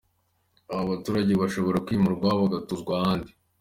Aba baturage bashobora kwimurwa bagatuzwa ahandi.